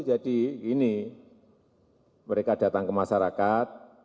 jadi ini mereka datang ke masyarakat